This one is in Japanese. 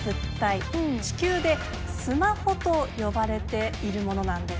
地球でスマホと呼ばれているものなんです。